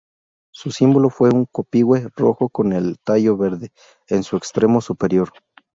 Su símbolo fue un copihue rojo con el tallo verde en su extremo superior.